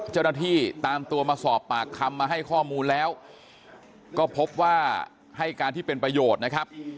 เจ้าหน้าที่ตามตัวมาสอบปากคำมาให้ข้อมูลแล้วก็พบว่าให้การที่เป็นประโยชน์นะครับ